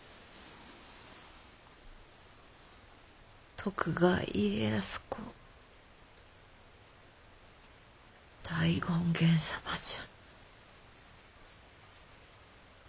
徳川家康公大権現様じゃ。